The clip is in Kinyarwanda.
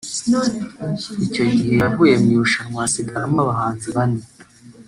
icyo gihe yavuye mu irushanwa hasigaramo abahanzi bane